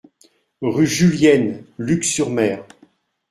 Rue Julienne, Luc-sur-Mer